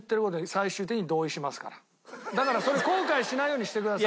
だからそれ後悔しないようにしてください。